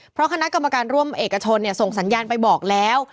เพราะคณะกรรมการร่วมเอกชนส่งสัญญาณไปบอกแล้ว